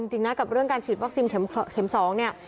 เพราะถ้าไม่ฉีดก็ไม่ได้